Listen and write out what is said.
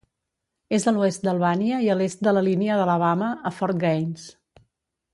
És a l'oest d'Albània i a l'est de la línia d'Alabama a Fort Gaines.